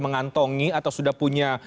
mengantongi atau sudah punya